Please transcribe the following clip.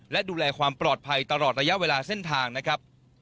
และดูแลความปลอดภัยตลอดระยะเวลาเส้นทางนะครับ